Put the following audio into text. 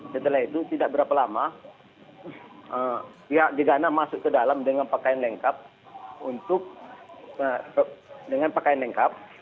setelah itu tidak berapa lama pihak gegana masuk ke dalam dengan pakaian lengkap